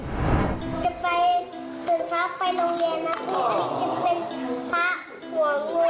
จะไปสิทธิ์ปลาไปโรงเยนนะครับพี่